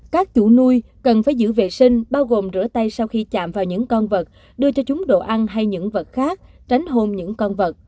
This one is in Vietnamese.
các chủ nuôi cần phải giữ vệ sinh bao gồm rửa tay sau khi chạm vào những con vật đưa cho chúng đồ ăn hay những vật khác tránh hôn những con vật